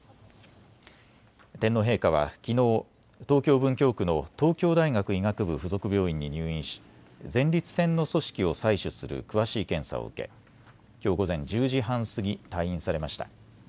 天皇陛下はきのう、東京文京区の東京大学医学部附属病院に入院し前立腺の組織を採取する詳しい検査を受けきょう午前１０時半過ぎ、退院されました。